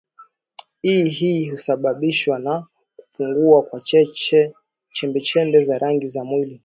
i hii husababishwa na kupungua kwa chembe chembe za rangi za mwili